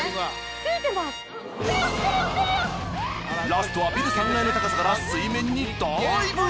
ラストはビル３階の高さから水面にダイブ！